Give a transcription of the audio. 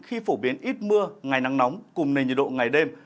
khi phổ biến ít mưa ngày nắng nóng cùng nền nhiệt độ ngày đêm